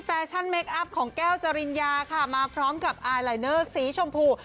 ชั่นเมคอัพของแก้วจริญญาค่ะมาพร้อมกับไอลายเนอร์สีชมพู